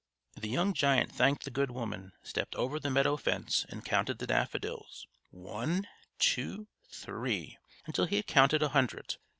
The young giant thanked the good woman, stepped over the meadow fence, and counted the daffodils, "One, two, three," until he had counted a hundred.